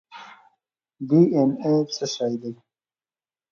ډي این اې څه شی دی؟